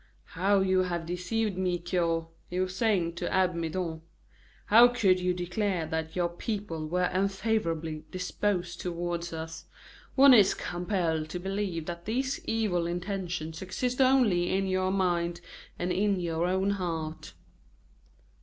"How you have deceived me, cure," he was saying to Abbe Midon. "How could you declare that your people were unfavorably disposed toward us? One is compelled to believe that these evil intentions exist only in your own mind and in your own heart."